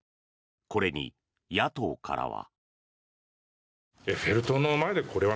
これに野党からは。